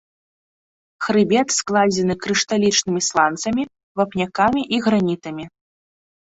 Хрыбет складзены крышталічнымі сланцамі, вапнякамі і гранітамі.